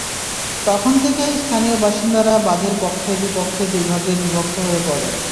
তখন থেকেই স্থানীয় বাসিন্দারা বাঁধের পক্ষে-বিপক্ষে দুই ভাগে বিভক্ত হয়ে পড়েন।